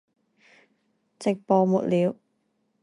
直播沒了